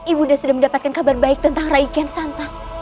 ibu nda sudah mendapatkan kabar baik tentang raimu kian santang